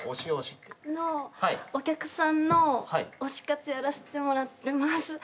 ・あのお客さんの推し活やらせてもらってます。